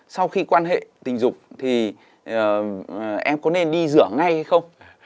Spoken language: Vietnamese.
sau khi quan hệ tình dục thì em có nên đi rửa ngay hay không